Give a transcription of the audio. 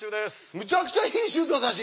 むちゃくちゃいいシュートだし！